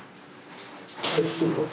おいしいです。